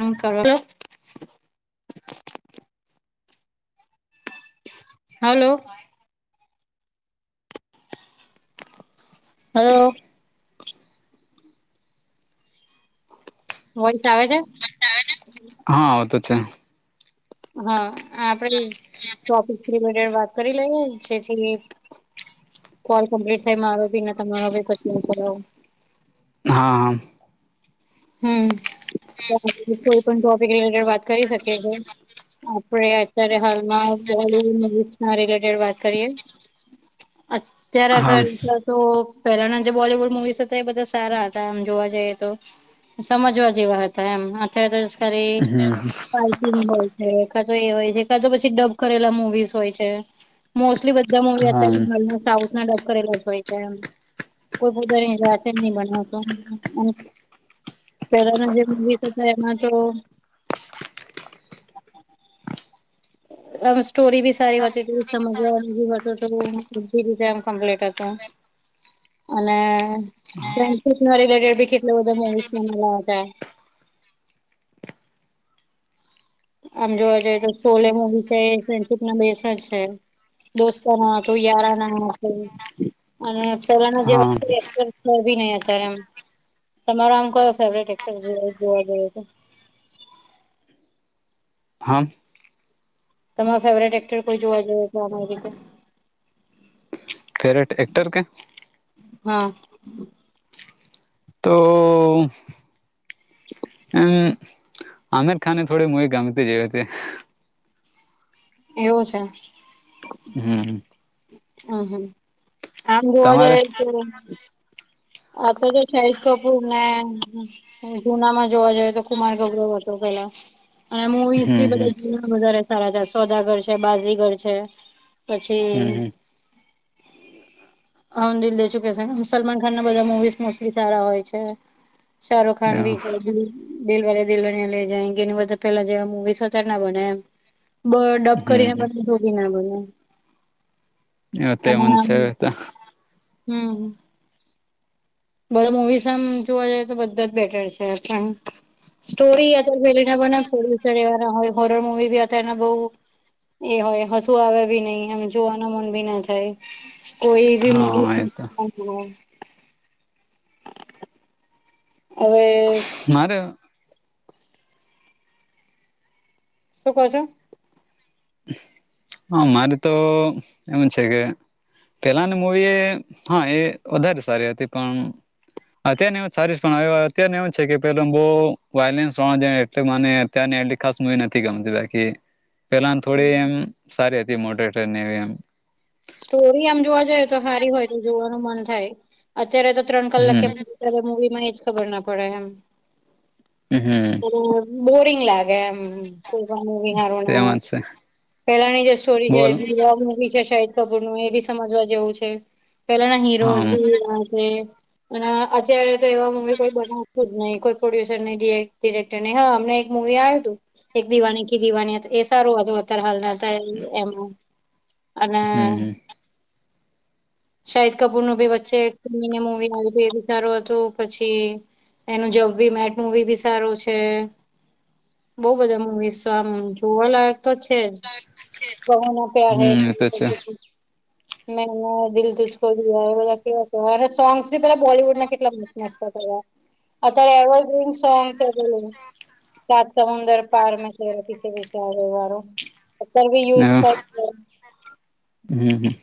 હમ કરો તો hello. Hello. Voice આવે છે. અવાજ આવે છે હા આવ તો છે. હા આપણેે ટોપિક રિલેટીવ વાત કરી લઈએ જેથી કોલ કમ્પ્લીટ થાય મારો બી ને તમારો બી કમ્પ્લીટ. હા હા. હમ કોઈ પણ ટોપિક રિલેટેડ વાત કરી શકીએ છે. આપે અત્યારે હાલમાં બોલીવુડ મૂવિઝના રિલેટેડ વાત કરીએ. હાર. [inaudible] ત્યારે હા આગર તો પહેલાના જે બોલીવુડ મુવીઝ હતા એ બધા સારા હતા આમ જોવા જઈએ તો. સમજવા જેવા હતા એમ અત્યારે તો ખરી હા ફાઈટિંગ હોય છે કા એ હોય છે કા તો પછી ડબ કરેલા મુવીઝ હોય છે મોસ્ટલી બ [unintelligible] હા ના ડબ કરેલા જ હોય છે એમ કોઈ મૂવી જાતે નથી બનાવતા. પહેલાના જે મૂવીઝ હતા એમાં તો આમ સ્ટોરી બી સારી હતી સમજવાનું હતું તો બધી રીતે આમ કોમ્પલેટ હતું. [inaudible] અને ફ્રેન્ડશિપના રિલેટેડ કેટલું બધું મૂવીમાં બતાડતાં. આમ જોવા જઈએ તો સોલે મૂવી છે એ ફ્રેન્ડશીપ ના બેસ જ છે. દોસ્તાના હતું યારાના હતું અને પેલાના હા જેવા નહી અત્યારે એ તમારો આમ કોઈ ફેવરટ એક્ટર જોવા જઈએ તો. હમ. તમાર ફેવરેટ એક્ટર કોઈ જોવા જઈએ તો? ફેવરેટ એક્ટર કે? હા. તો. હમ [unintelligible] હમ. આમિર ખાને થોડ મ ગમતી જ હતી. એવું છે. હમ. હમ હમ આમ જોવા તમારે જાય તો. આ તો શાહિદ કપુર ને. જુના માં જોવા જઈએ તો કુમાર ગૌરવ હતો પેલા. અને મૂવીઝ હમ બી હમ બધા વધારે સારા હતા સોદાગર છે, બાજીગર છે. પછી હમદિલ દે ચું કે છે સનમ સલમાન બધા મુવીઝ મોસ્ટલી સારા હોય છે શાહરુખ ખાન હમ હમ એવું બી છે. દિલવારે દુલ્હનયા લે જાયેગે કે એની બધા પેલા જેવા મુવીસ અત્યારે ના બને એમ. બ ડબ હમ કરીને હમ બધા જોડી ના બને. તે હ મન છે હમ. બધા મુવીસ આમ જોવા જઈએ તો બધા જ બેટર છે પણ. સ્ટોરી અત્યારે પેલી ના બોલ્યુવા હોય હોરર મુવી બી અતારના બહુ. એ હોય હશુ આવે ભી નઈ એમ જોવાનું મન ભી ના થાય. કોઈ એક ભી હા એ તો મૂવી. હવે. મારે. શું કો છો? હા મારે તો એમ છે કે પેલાની મૂવી એ હા એ વધારે સારી હતી પણ. અત્યારને એવું સારી હ અત્યારને એવું છે કે પે બહુ વાયલન્સ વાવદે એટ મને અત્યારની એલી ખાસ મૂવી નથી ગમતી બાકી પેલા થોડી એમ સારી હતી મોટરેટર ને એવી એમ સ્ટોરી આમ જોવા જઈએ તો સારી હોય તો જોવાનું મન થાય. અત્યારે તો ત્રણ કલાક કેમ અત્યારે હમ મૂવી માં એજ ખબર ના પડે એમ. હમ હમ. બ પોરીંગ લ આાગે કોઈવી હારો ના હો તેમાં જ છે પેલાની જે સ્ટોરી છે બોલ એ્ગ મુવી છે શદ કપૂર નું એ બી સમજવા જેવું છે પેલાના હીરો હમ બી છે. અત્યારે તો એવા મૂવી કોઈ બના નહી કોઈ પ્રોડ્યુસર નહી ડિરેક્ટર નહી હા અમને એક મુવી આયુ તું. એક દિવાને કી દિવાનીયત એ સારું હતું અત્યારે હાલના હતા એમાં. અને હમ હમ્મ. હમ શાહિદ કપૂર નું ભી વચ્ચે એક મૂવી આવી તું એ બી સારું હતું પછી એનું જબ બી મેટ મૂવી બી સારું છે. બઉ બધા મૂવીસો આમ જોવાલાયક તો છે જ. કહોના પ્યાર હે તે છે. મેંને દિલ તુજકો એ બધા કેવા અને સોંગ્સ બી પેલા બોલીવુડ ના કેટલા નાસ્તો તૈયાર. અત્યાર એવો જે ભી સોંગસ એવું લે સાત સમુંદર પાર મે વિશ વારે હમ્મ, હમ્મ, હમ્મ.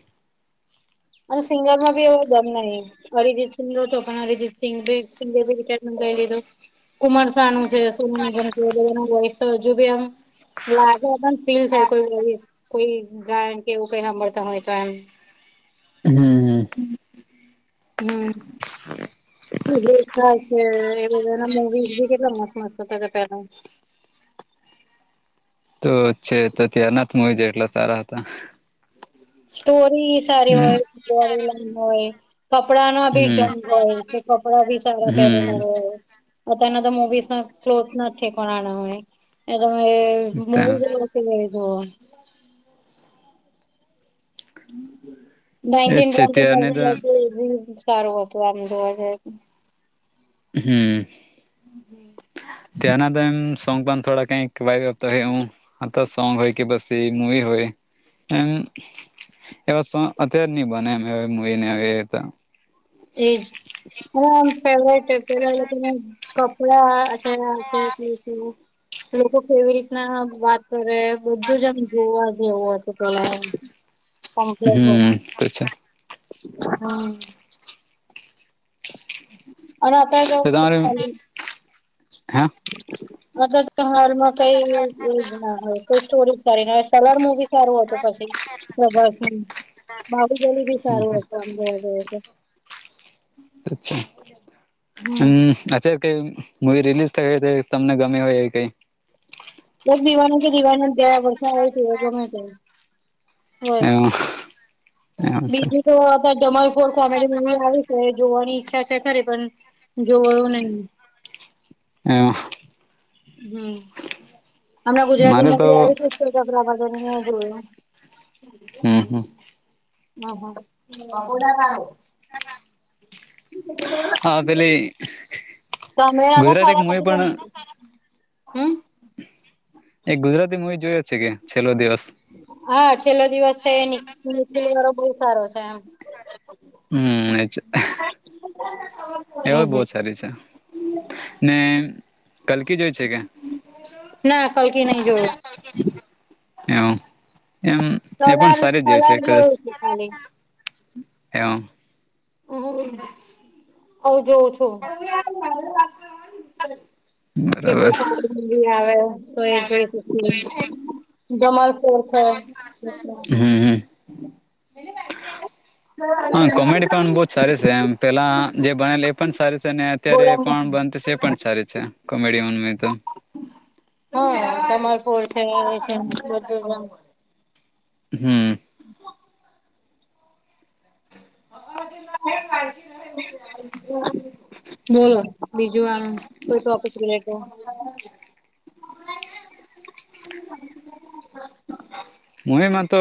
અને સિંગર માં બી એવો દમ નહીં. અરિજીત સિંગ હતો પણ અરિજીત સિંગ સિંગર ભી રિટાયરમેન્ટ લઈ લીધો. કુમર સાનું [unintelligible] હજુ બી જુબેન લાગે પણ ફીલ થ કોઈ કોઈ ગાયન કે એવું કઈ સાભતા હોય તો એમ. હમ્મ. હમ્મ, હમ્મ. રખા છે એ બધા ના મુવીઝ બી કેટલા મસ્ત મસ્ત હતા થા પેહલા. તો છે તો ત્યારનાથ મુવી જે એટલા સારા હતા. સ્ટોરી સારી હોય હમ એન્જોયમેન્ટ હોય. કપડા ના ભી હમ ઢંગ હોય તો કપડા ભી સારા હમ પહેરેલા હોય. અત્યાર ના તો મુવીઝ ના ક્લોઝ નાજ ઠેકાણા નહીં નહીં તો એ મૂવી તો વળી જોવા એજ નાઇટટીન છે ટ્વેન્ટી ત્યારને તો મૂવી સારું હતું આમ જોવા ગયા તા. હમ્મ. ત્યાંના તો એમ સોંગ પણ થોડા કઈક વાયતા હોય હું આથા સોંગ હોય કે બસ એ મુવી હોય એમ એવા સો અત્યારે નહી બને આવી મૂવી ને એ તો એજ હવે આમ પેલે છે પેલા લોકોના કપડાઆ છેના આ તે તીના લોકો કેવી રીતના વાત કરે બધું જ આમ જોવા જેવું હતું કલા પંપલા વ હમ તો છે હા. અને અત્યારે તો ગામરે હા અત તો હાલમાં કઈ કોઈ સ્ટોરી કરીને સોલર મુવી સારું હતું પછી વધાર જેમ મારી ગલી બી સારું હતું આમ જોવા જાએ તો. અચ્છા હમ હમ્મ અચ્છા કઈ મુવી રિલીઝ થઈ હોય તો તમને ગમે હોય એ કઈ. એક દિવાણ કે દિવાણી જયા વરસાા આવેય છે એ ગમે તે બસ એવું છે બીજું તો વા ધમાલ કો કોમેડી મુવી આવે છે જોવાની ઈચ્છા છે ખરે પણ જોવુ નહી. હમ્મ. હમ્મ, હમણાં ગુજરાતી મારે માં તો ભી આવ્યું તું તે કપિલા બગરને જોયો. હા હા અહ હા. [unintelligible] [unintelligible] હા પેલી તમે ગુજરાતી એક [unintelligible] મૂવી પછી તો પણ હમ એક ગુજરાતી મુવી જોઈએ છે કે છેલ્લો દિવસ હા છેલ્લો દિવસ છે નિખિલ વાળો બહુ સારો છે એમ હમ એજ [unintelligible] એવો બહુ જ હમ સારી છે ને કલકી જોય છે કે? ના કલકી નહી જોયું એ એમ એ પણ કલર સારી જ જેવી છે કલર કદાચ જોયું છે ખાલી એવ હમ હ જોઉ છું. કે બરાબર કોઈ આવે તો એ જોઈ શકી દમલ સળ છે. હા હા [unintelligible] હા કોમેડી પણ બહુ જ સારી છે એમ પેલા જે બનેલ એ પણ સારી છે ને અત્યારે બોલો પણ પણ સારી છે કોમેડિયન માં તો હા ધમાલ ફોર છે બધું હમ [unintelligible] બોલો બીજું આગળ કોઈ ટોપિક રિલેટેડ મુવી મા તો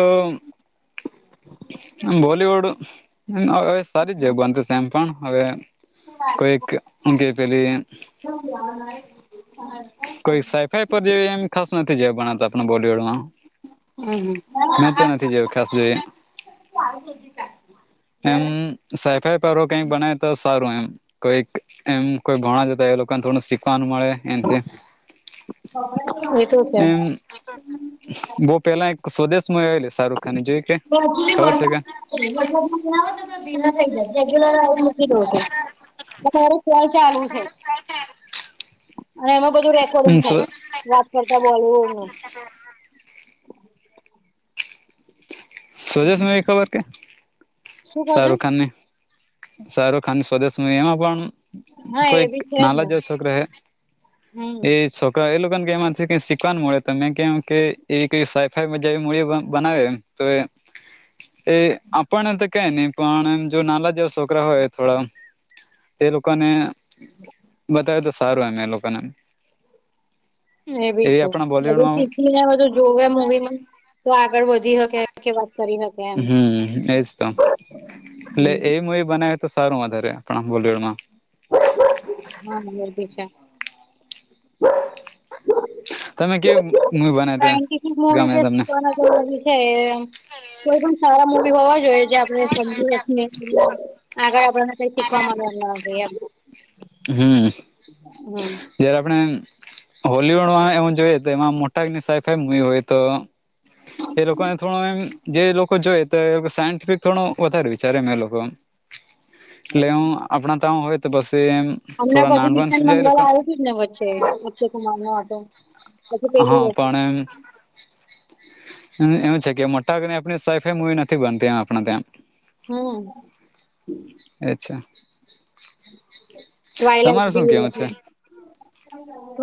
આમ બોલીવુડ [unintelligible] સારી જગ બનતી છે એમ પણ હવે કોઈક ઊંઘે પેલી [unintelligible] કોઈ સાઈફાઈ પર જે એમ ખાસ નથી જેવા ભણાતા આપણા બોલીવુડમાં હમ મેં તો હમ નથી જોયું ખાસ જોઈએ [unintelligible] એમ સાઈફાઈ પારો કઈક બનાય તો સારું એમ કોઈક એમ કોઈ ભણા જતા એ લોકોને થોડું શીખવાનું મળે [unintelligible] એ તો છે. એમ બહુ પેલા એક સ્વદેશમાં મુવી આવેલી શાહરૂખખાની જોય કે? ખબર છે કે [unintelligible] [unintelligible] અને એમાં બધું રેકોર્ડિંગ થાય વાત કરતા બોલીવુડ નું [unintelligible] ખબર કે શું કહો છો શારુખ ખાનને સારુંખાન સ્વદેશમાં મુવી એમાં પણ હા એ કોઈક બી છે જ ને નાલા જેવો શોકરો હે એ હમ છોકરાઓ એ લોકોને કે એમાંથી કઈ શીખવાનું મળે તો મેં કેમ કે એ સાઈફાઈમાં જેવી મૂવી બનાવે એમ તો એ આપણને તો કય નહી પણ એમ જો નાલા જેવા છોકરા હોય થોડા એ લોકોને બતાવે તો સારું એમ એલોકો ને એમ એ બી છે બધું શીખીને બધું જોવે મૂવીમાં તો આગળ વધી હકે વાત કરી મેં હમ એજ તો એટલે એ મુવી બનાવ તો સારું વધારે આપણા બોડરમાં. હા મને ભી છે. તમે કેવ સાયન્ટિફિક મુવી જે શીખવાના છે એ કોઈ પણ સારા મૂવી હોવા જોઈએ જે આપણે સમજી હકીએ આગળ આપણને કઈ શીખવા મળે [unintelligible] હમ. હમ જયારે આપણે હોલવુડમાં એવ જોઈએ તો એમાં મોટાક ની સાઈફાઈ મુવી હોય તો એ લોકોને થોડો એમ જે લોકો જોય તો સાયન્ટિફિક થોડું વધારે વિચારે ને એ લોકો એટલે હું આપણા તાં હોય તો પશી હમણા પછી મિશન મંગળવાર આવ્યું હતું જ ને વચ્ચે નત્યકુમાર નો હતો. પછી પેલું હા હતું પણ. એમ છે કે મોટા ભાગને આપણી સરખી મુવી નથી બનતી આપણે ત્યાં. ઓહ. અચ્છા. વાયલાઈટ તમારે શું બી એ કેવું છે? હતું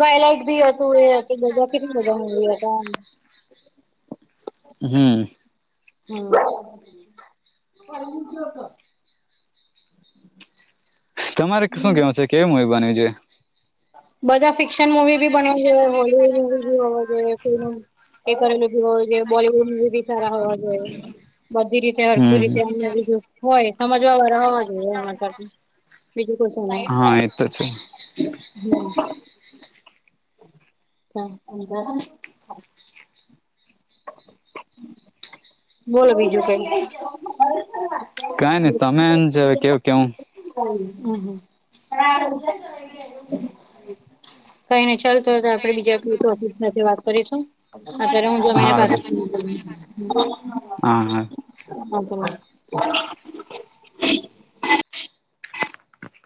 વાયલાઈટ બી હતું એ હતું બધા. [inaudible] હમ્મ. હમ. તમારે શું કેવું છે કેવી મુવી બનવી જોઈએ. બધા ફિક્શન મુવી ભી બનવા જોઈએ હોલીવુડ મુવી બી બનાવવુ જોઈએ કોઈ એ કરેલું બી હોવું જોઈએ બોલીવૂડ બી સારા હોવા જોઈએ, બધી રીતે હખું હમ્મ. રીતે હોવું જોઈએ. હોય સમજવા વાળ હોવા જોઈએ એમાં કર, બીજું કોઈ શું નાઈ. [unintelligible] [inaudible] હ [unintelligible] બોલો બીજું કઈ. કઈ નઈ તમે એમ છે હ કેવ કેવું [unintelligible] કઈ ને ચાલતો આપણે બીજા સાથે વાત કરીશું. અત્યારે મુજ મહિના પા હ હા. [inaudible]